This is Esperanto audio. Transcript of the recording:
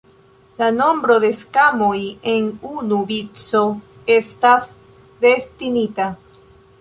La nombro de skvamoj en unu vico estas destinita.